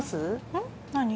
うん？何？